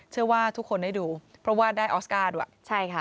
เชื่อว่าทุกคนได้ดูเพราะว่าได้ออสการ์ด้วยใช่ค่ะ